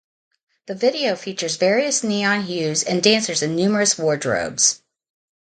The video features various neon hues and dancers in numerous wardrobes.